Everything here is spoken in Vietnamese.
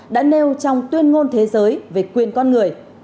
đã nêu trong tuyên ngôn thế giới về quyền con người